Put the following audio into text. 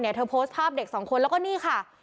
เธอโพสต์ภาพเด็กสองคนแล้วก็นี่ค่ะ